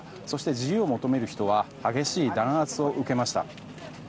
そして、自由を求める人は激しい弾圧を受けました。